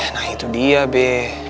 nah itu dia be